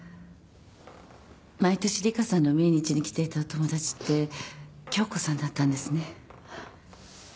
毎年里香さんの命日に来ていたお友達って杏子さんだったんですね。